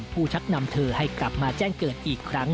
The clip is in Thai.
ชักนำเธอให้กลับมาแจ้งเกิดอีกครั้ง